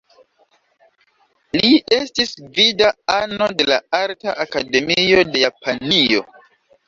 Li estis gvida ano de la Arta Akademio de Japanio.